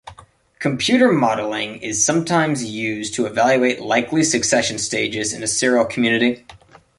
Computer modeling is sometimes used to evaluate likely succession stages in a seral community.